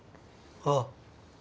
ああ。